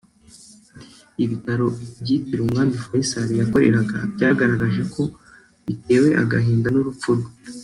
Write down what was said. Ibitaro byitiriwe Umwami Faisal yakoreraga byagaragaje ko bitewe agahinda n’urupfu rwe